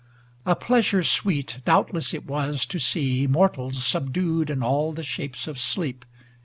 LXI A pleasure sweet doubtless it was to see Mortals subdued in all the shapes of sleep.